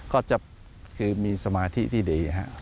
ก็คือมีสมาธิที่ดีครับ